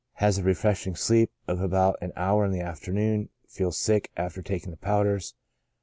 Has a refreshing sleep of about an hour in the afternoon; feels sick after taking the powders.